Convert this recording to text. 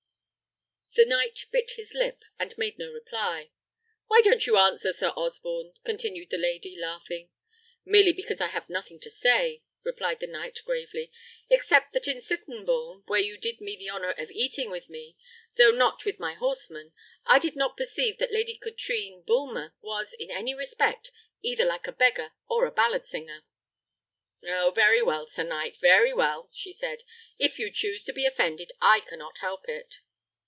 The knight bit his lip, and made no reply. "Why don't you answer, Sir Osborne?" continued the lady, laughing. "Merely because I have nothing to say," replied the knight, gravely; "except that at Sittenbourne, where you did me the honour of eating with me, though not with my horsemen, I did not perceive that Lady Katrine Bulmer was, in any respect, either like a beggar or ballad singer." "Oh! very well, sir knight; very well!" she said. "If you choose to be offended I cannot help it."